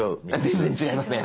全然違いますね。